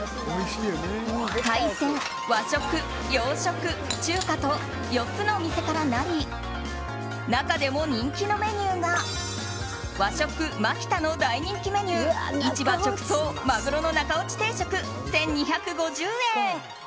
海鮮、和食、洋食、中華と４つのお店からなり中でも人気のメニューが和食蒔田の大人気メニュー市場直送、マグロの中おち定食１２５０円。